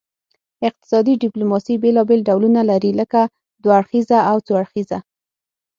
اقتصادي ډیپلوماسي بیلابیل ډولونه لري لکه دوه اړخیزه او څو اړخیزه